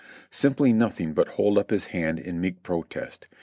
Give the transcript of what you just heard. Simply nothing but hold up his hand in meek protest.